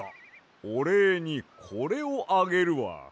おれいにこれをあげるわ。